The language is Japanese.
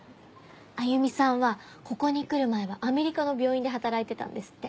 歩さんはここに来る前はアメリカの病院で働いてたんですって。